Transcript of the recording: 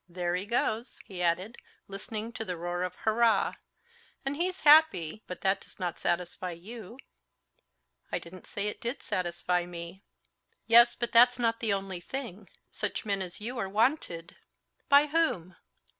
There he goes!" he added, listening to the roar of "hurrah!"—"and he's happy, but that does not satisfy you." "I didn't say it did satisfy me." "Yes, but that's not the only thing. Such men as you are wanted." "By whom?"